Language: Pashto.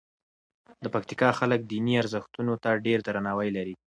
د پکتیکا خلک دیني ارزښتونو ته ډېر درناوی لري.